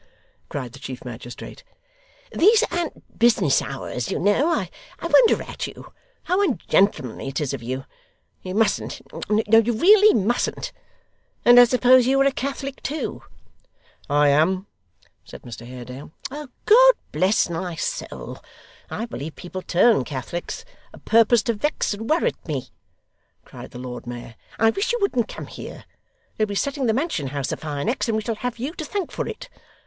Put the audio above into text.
cried the chief magistrate; 'these an't business hours, you know I wonder at you how ungentlemanly it is of you you mustn't you really mustn't. And I suppose you are a Catholic too?' 'I am,' said Mr Haredale. 'God bless my soul, I believe people turn Catholics a'purpose to vex and worrit me,' cried the Lord Mayor. 'I wish you wouldn't come here; they'll be setting the Mansion House afire next, and we shall have you to thank for it.